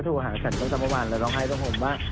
ถูกหาอาจารย์เดี๋ยวทำประวัติแล้วร้องให้ต้องผมว่า